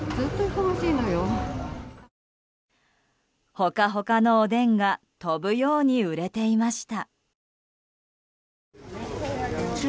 ホカホカのおでんが飛ぶように売れていました。